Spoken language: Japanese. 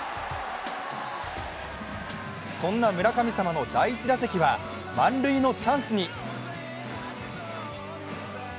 そんな村神様の第１打席は満塁のチャンスに。